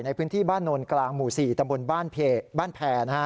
ในพื้นที่บ้านโนนกลางหมู่๔ตำบลบ้านแพรนะฮะ